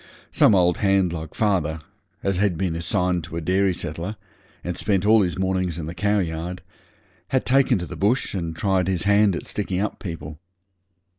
Some old hand like father, as had been assigned to a dairy settler, and spent all his mornings in the cowyard, had taken to the bush and tried his hand at sticking up people.